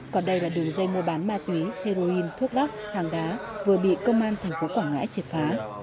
còn đây là đường dây mua bán ma túy heroin thuốc đắc hàng đá vừa bị công an thành phố quảng ngãi triệt phá